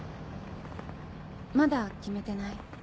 まだ決めてない。